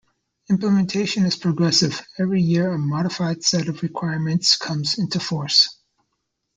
Implementation is progressive, every year a modified set of requirements comes into force.